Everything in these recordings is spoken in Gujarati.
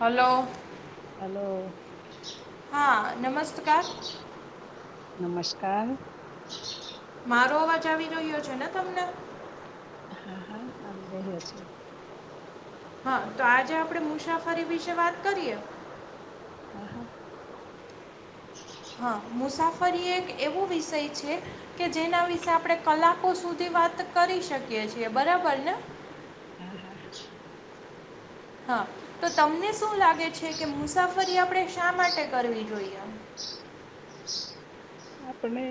હલો હલો હા નમસ્કાર નમસ્કાર મારો અવાજ આવી રહ્યો છે ને તમને હા હા આવી રહ્યો છે હા તો આજે આપડે મુસાફરી વિશે વાત કરીએ હા હા હા મુસાફરી એક એવો વિષય છે કે જેના વિશે આપણે કલાકો સુધી વાત કરી શકી કરીએ છીએ બરાબર ને હા હા હા તો તમને શું લાગે છે કે મુસાફરી આપણે શા માટે કરવી જોઈએ આપણે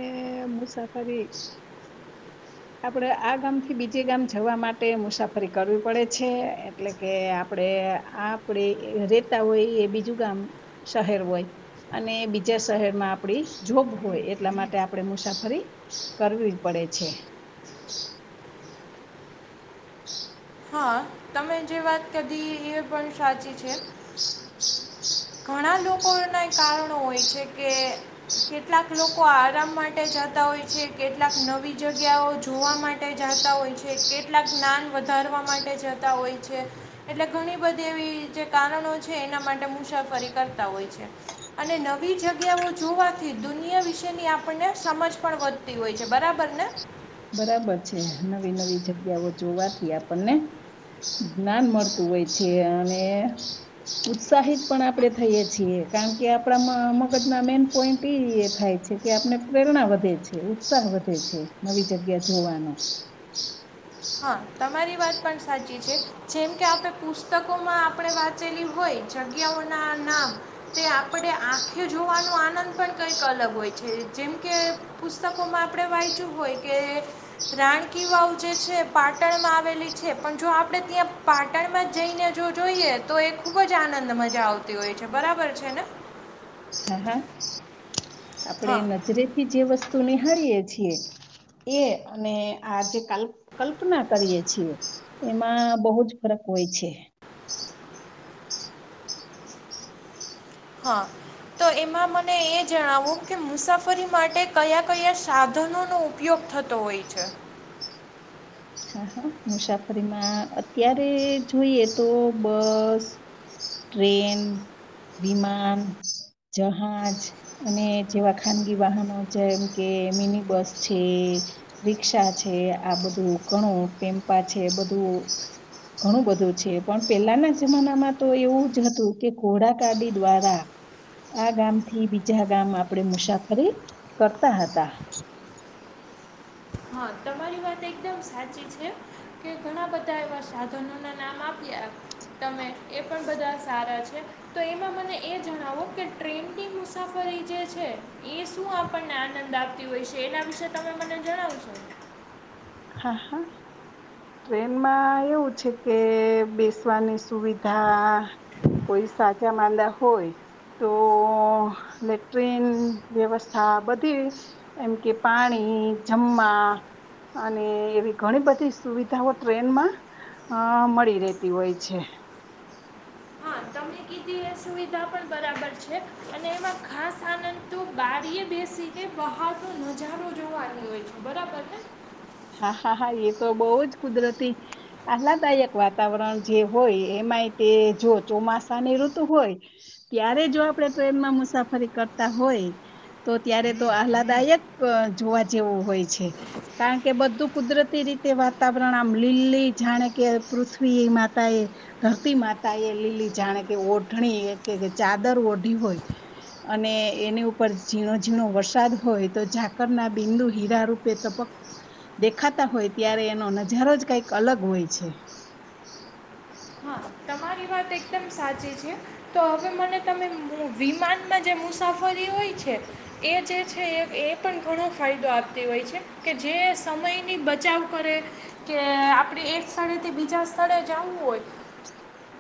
મુસાફરી આપણે આ ગામથી બીજે ગામ જવા માટે મુસાફરી કરવી પડે છે એટલે કે આપણેે આપણે રેતા હોય એ બીજું ગામ શહેર હોય અને બીજા શહેરમાં આપડી જોબ હોય એટલા માટે આપણેે મુસાફરી કરવી પડે છે [inaudible] [inaudible] હા તમે જે વાત કદી એ પણ સાચી છે ઘણા લોકોના એ કારણો હોય છે કે કેટલાક લોકો આરામ માટે જતા હોય છે કેટલાક નવી જગ્યાઓ જોવા માટે જતા હોય છે કેટલાક જ્ઞાન વધારવા માટે જ હોય છે એટલે ઘણી બધી એવી જે કારણો છે એના માટે મુસાફરી કરતા હોય છે અને નવી જગ્યાઓ જોવાથી દુનિયા વિશેની આપણને સમજ પણ વધતી હોય છે બરાબર ને બરાબર છે નવી નવી જગ્યાઓ જોવાથી આપણને જ્ઞાન મળતું હોય છે અને ઉત્સાહિત પણ આપણે થઈએ છીએ કારણ કે આપણા મગજ ના મેન પોઈન્ટ થાય છે કે આપણે પ્રેરણા વધે છે ઉત્સાહ વધે છે નવી જગ્યા જોવાનો હા, તમારી વાત પણ સાચી છે જેમ કે આપણે પુસ્તકોમાં આપણે વાંચેલી હોય જગ્યાઓના નામ તે આપણે આંખે જોવાનો આનંદ પણ કંઈક અલગ હોય છે. જેમકે પુસ્તકોમાં આપણે વાંચ્યું હોય કે રાણ કી વાવ જે છે પાટણમાં આવેલી છે. પણ જો આપણે ત્યાં પાટણમાં જ જઈને જો જોઈએ તો એ ખુબ જ આનંદ મજા આવતી હોય છે. બરાબર છે ને? હા હા. આપડે હા નજરે થી જે વસ્ તુ નિહાળીયે છીએ એ અને આ જે કલકલ્પના કરીએ છીએ એમાં બહુ જ ફરક હોય છે. હા તો એમાં મને એ જણાવો કે મુસાફરી માટે કયા કયા સાધનોનો ઉપયોગ થતો હોય છે. હા મુસાફરીમાં અત્યારે જોઈએ તો બસ, ટ્રેન, વિમાન, જહાજ અને જેવા ખાનગી વાહનો જેમ કે મિની બસ છે, રિક્ષા છે આ બધું ઘણું પમપા છે બધું ઘણું બધું છે. પણ પેલાના જમાનામાં તો એવું જ હતું કે ઘોડાકાડી દ્વારા આ ગામથી બીજા ગામ આપણેે મુસાફરી કરતા હતા. હા તમારી વાત એક એકદમ સાચી છે કે ઘણા બધા બધા એવા સાધનોના નામ આપ્યા તમે એ પણ બધા સારા છે. તો એમાં મને એ જણાવો કે ટ્રેનની મુસાફરી જે છે એ શું આપણને આનંદ આપતી હોય છે. એના વિશે તમે મને જણાવશો. હા હા, ટ્રેનમાં એવું છે કે બેસવાની સુવિધા કોઈ સાચા માંદા હોય તો એ ટ્રેન વ્યવસ્થા બધી એમ કે પાણી, જમવા અને એવી ઘણી બધી સુવિધાઓ ટ્રેનમાં અ મળી રહેતી હોય છે. હા તમે કીધી એ સુવિધા પણ બરાબર છે અને એમાં ખાસ આનંદ તો બારીએ બેસીને બહાર નો નજારો જોવાનું હોય છે. બરાબર ને? હા હા હા, એ તો બહુ જ કુદરતી આહલાદાયક વાતાવરણ જે હોય એમાંય તે જો ચોમાસાની ઋતુ હોય ત્યારે જો આપણે ટ્રેનમાં મુસાફરી કરતા હોય તો ત્યારે તો આહલાદાયક જોવા જેવું હોય છે. કા કે બધું કુદરતી રીતે વાતાવરણ આમ લીલી જાણે કે પૃથ્વી માતા એ ધરતી માતા એ લીલી જાણે કે ઓઢણી કે ચાદર ઓઢી હોય અને એની ઉપર ઝીણો ઝીણો વરસાદ હોય તો ઝાકર ના બિંદુ હીરા રૂપે તપક દેખાતા હોય ત્યારે એનો નજારો જ કંઈક અલગ હોય છે. હા તમારી વાત એકદમ સાચી છે. તો હવે મને તમે વિમાનમાં જે મુસાફરી હોય છે એ જે છે એ એ પણ ઘણો ફાયદો આપતી હોય છે કે જે સમયની બચાવ કરે કે આપણે એક સ્થળેથી બીજા સ્થળે જવું હોય.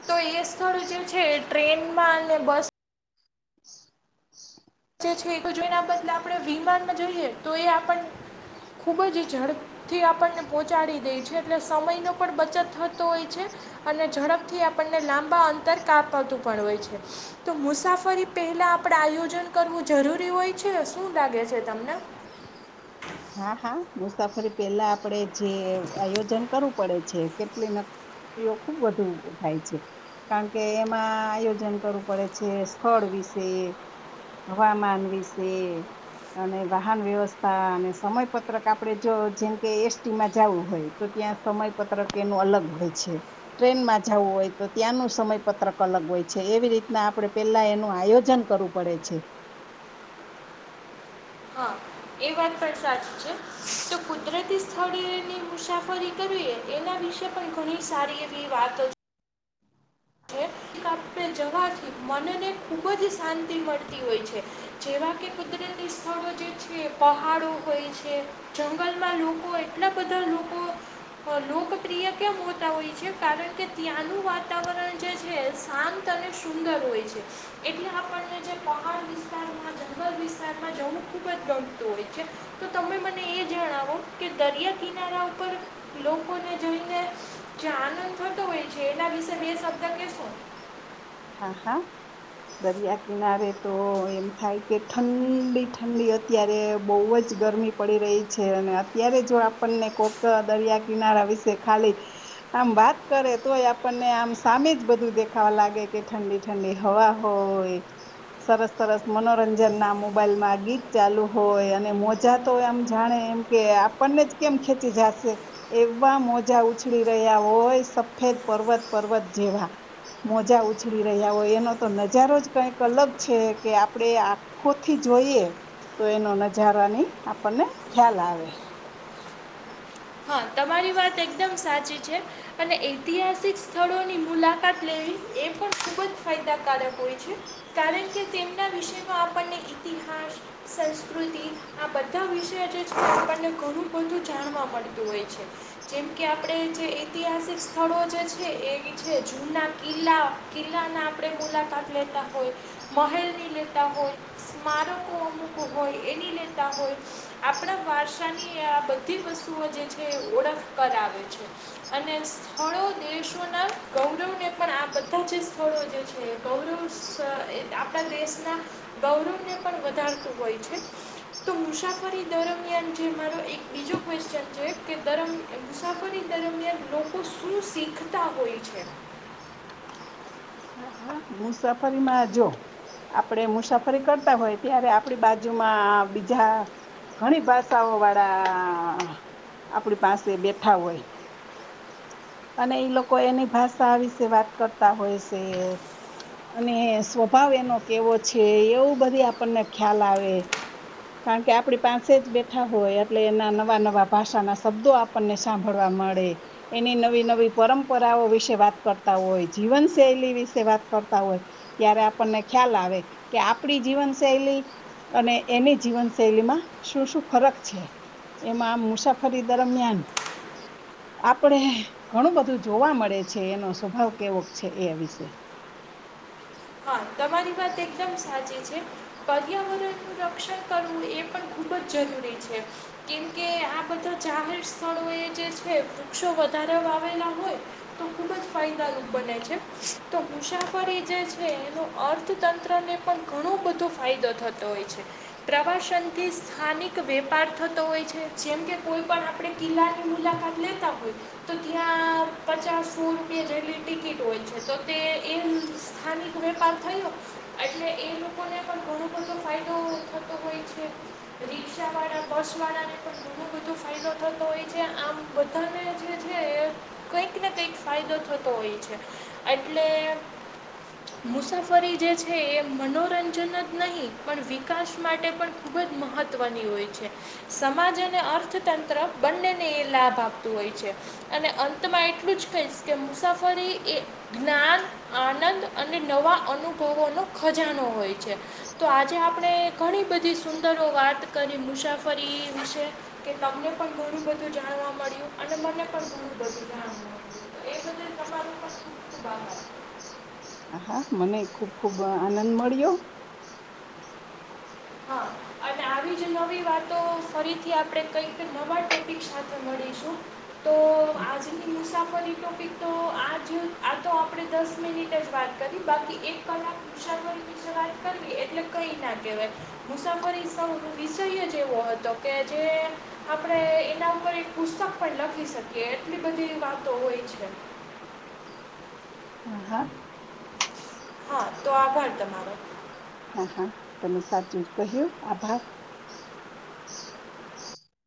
તો એ સ્થળો જેવ છે ટ્રેનમાં અને બસ છે એ તો જોના બદલે આપણે વિમાનમાં જોઈએ તો એ આપણ ખુબ જ ઝડપથી આપણને પહોંચાડી દે છે. એટલે સમયનો પણ બચત થતો હોય છે અને ઝડપથી આપણને લાંબા અંતર કાપાતું પણ હોય છે. તો મુસાફરી પહેલા આપણે આયોજન કરવું જરૂરી હોય છે. શું લાગે છે તમને? હા હા, મુસાફરી પહેલા આપણેે જે આયોજન કરવું પડે છે કેટલી નકરીઓ ખુબ વધુ થાય છે. કારણ કે એમાં આયોજન કરવું પડે છે, સ્થળ વિશે, હવામાન વિશે અને વાહન વ્યવસ્થા સમય પત્રક આપડે જો જેમ કે એસટીમાં જવું હોય તો ત્યાં સમયપત્રક એનું અલગ હોય છે, ટ્રેનમાં જવું હોય તો ત્યાંનું સમયપત્રક અલગ હોય છે, એવી રીતના આપણે પેલા એનું આયોજન કરવું પડે છે. હા એ વાત પણ સાચી છે. તો કુદરતી સ્થળેની મુસાફરી કરવી એના વિશે પણ ઘણી સારી એવી વાતો છે આપણે જવાથી મનને ખૂબ જ શાંતિ મળતી હોય છે. જેવા કે કુદરતી સ્થળો જે છે પહાડો હોય છે જંગલમાં લોકો એટલા બધા લોકો લોકપ્રિય કેમ હોતા હોય છે. કારણ કે ત્યાંનું વાતાવરણ જે છે શાંત અને સુંદર હોય છે. એટલે આપણને જે પહાડ વિસ્તારમાં જંગલ વિસ્તારમાં જવું ખૂબ જ ગમતું હોય છે. તો તમે મને એ જણાવો કે દરિયા કિનારા ઉપર લોકોને જઈને જે આનંદ થતો હોય છે. એના વિશે બે શબ્દ કે શો? હા હા, દરિયા કિનારે તો એમ થાય કે ઠંડી ઠંડી અત્યારે બહુ જ ગરમી પડી રહી છે અને અત્યારે જો આપણને કોઈક દરિયા કિનારા વિશે ખાલી આમ વાત કરે તોય આપણને આમ સામે જ બધું દેખાવા લાગે કે ઠંડી ઠંડી હવા હોય, સરસ સરસ મનોરંજન ના મોબાઈલમાં ગીત ચાલુ હોય અને મોજા તો આમ જાણે એમ કે આપણને જ કેમ ખેંચી જાશે એવા મોજા ઉછળી રહ્યા હોય સફેદ પર્વત પર્વત જેવા મોજા ઉછ ડી રહ્યા હોય એનો તો નજારો જ કઈક અલગ છે કે આપણે આખોથી જોઈએ તો એનો નજારાની આપણને ખ્યાલ આવે. હા તમારી વાત એકદમ સાચી છે અને ઐતિહાસિક સ્થળોની મુલાકાત લેવી એ પણ ખૂબ જ ફાય દાકારક હોય છે. કારણ કે તેમના વિષનો આપણને ઇતિહાસ, સંસ્કૃતિ આ બધા વિષય જે છે આપણને ઘણું બધું જાણવા મળે. ળતું હોય છે. જેમકે આપણે જે ઐતિહાસિક સ્થળો જે છે એ છે જૂના કિલ્લા, કિલ્લાના આપણે મુલાકાત લેતા હોય, મહેલની લેતા હોય, સ્મારકો અમુક હોય એની લેતા હોય આપણા વારસાની આ બધી વસ્તુઓ જે છે છે ઓળખ કરાવે છે અને સ્થળો દેશોના ગૌરવને પણ આ બધા જે સ્થળો જે છે ગૌરવ આપણા દેશના ગૌરવને પણ વધારતું હોય છે. તો મુસાફરી દરમિયાન જે મારો એક બીજો ક્વેશ્ચન છે કે દરમ મુસાફરી દરમિયાન લોકો શું શીખતા હોય છે? મુસાફરીમાં જો આપણે મુસાફરી કરતા હોય ત્યારે આપણી બાજુમાં બીજા ઘણી ભાષાઓ વાળા આપણી પાસે બેઠા હોય. અને એ લોકો એની ભાષા વિશે વાત કરતા હોય શે અને સ્વભાવ એનો કેવો છે. એવું બધુ આપણને ખ્યાલ આવે કારણ કે આપડી પાસે જ બેઠા હોય એટલે એના નવા નવા ભાષાના શબ્દો આપણને સાંભળવા મળે. એની નવી નવી પરંપરાઓ વિશે વાત કરતા હોય. જીવન શૈલી વિશે વાત કરતા હોય ત્યારે આપણને ખ્યાલ આવે કે આપણી જીવનશૈલી અને એની જીવન શૈલીમાં શું શું ફરક છે. એમાં આમ મુસાફરી દરમિયાન આપડે ઘણું બધું જોવા મળે છે. એનો સ્વભાવ કેવોક છે એ વિશે. હા તમારી વાત એકદમ સાચી છે પર્યાવરણનું રક્ષણ કરવું એ પણ ખુબ જ જરૂરી છે. કેમકે આ બધા જાહેર સ્થળો એ જે છે વૃક્ષો વધારા આવેલા હોય તો ખુબ જ ફાયદારૂપ બને છે તો મુસાફરી જે છ એનો અર્થતંત્રને પણ ઘણો બધો ફાયદો થતો હોય છે. પ્રવાસનથી સ્થાનિક વેપાર થતો હોય છે. જેમ કે કોઈ પણણ આપણે કિલ્લાની મુલાકાત લેતા હોય તો ત્યાં પચાસ સો રૂપિયા જેટલી ટિકિટ હોય છે તો તે એ સ્થાનિક વેપાર થયો. એટલે એ લોકોને પણ ઘણો બધો ફાયદો થતો હોય છે. રિક્ષાવાળા, બસવાળાને પણ ઘણો બધો ફાયદો થતો હોય છે. આમ બધાને જે છે કંઈક ને કંઈક ફાયદો થતો હોય છે એટલે મુસાફરી જે છે એ મનોરંજન જ નહીં પણ વિકાસ માટે પણ ખૂબ જ મહત્વની હોય છે. સમાજ અને અર્થતંત્ર બંનેને એ લાભ આપતું હોય છે અને અંતમાં એટલું જ કહીશ કે મુસાફરી એ જ્ઞાન આનંદ અને નવા અનુભવોનો ખજાનો હોય છે. તો આજે આપણે ઘણી બધી સુંદરો વાત કરી મુસાફરી વિશે કે તમને પણ ઘણું બધું જાણવા મળ્યું અને મને પણ ઘણું બધું જાણવા મળ્યું એ બદલ તમારો ખબ ખૂબ આભાર. હા હા મને ખુબ ખુબ આનંદ મળ્યો હા અને આવી જ નવી વાતો ફરીથી આપણે કઈક નવા ટોપિક સાથે મળીશું તો આજની [inaudible] મુસાફરી ટોપિક તો આજ આ તો આપણે દસ મિનિટ જ વાત કરી બાકી એક કલાક હશારરી વિશે વાત કરવી એટલે કઈ ના કહેવાય મુસાફરી સૌ નો વિષય જ એવો હતો કે જે આપણે એના ઉપર એક પુસ્તક પણ લખી શકીએ એટલી બધી વાતો હોય છે હ હા હા તો આભાર તમારો હા હા તમે સાચું જ કહ્યું આભાર